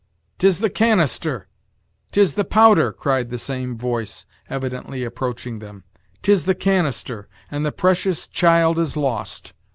"'Tis the canister, 'tis the powder," cried the same voice, evidently approaching them. "'Tis the canister, and the precious child is lost."